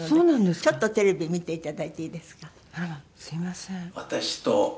ちょっとテレビ見ていただいていいですか？